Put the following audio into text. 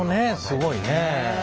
すごいね。